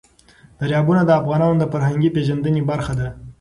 دریابونه د افغانانو د فرهنګي پیژندنې برخه ده.